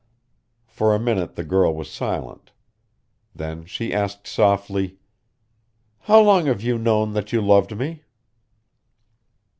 For a minute the girl was silent. Then she asked softly: "How long have you known that you loved me?"